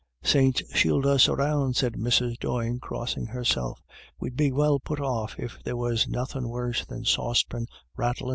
"Saints shield us around," said Mrs. Doyne, crossing herself, "we'd be well off if there was nothin' worse than saucepans rattlin'.